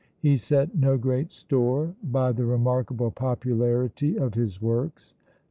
He set no great store by the remarkable popularity of his works.